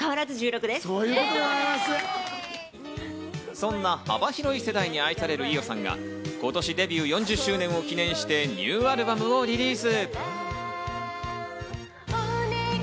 そんな幅広い世代に愛される伊代さんが今年デビュー４０周年を記念してニューアルバムをリリース。